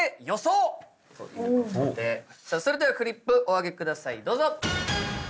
それではフリップお上げくださいどうぞ。